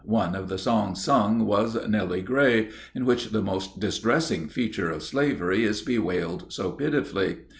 One of the songs sung was "Nellie Gray," in which the most distressing feature of slavery is bewailed so pitifully.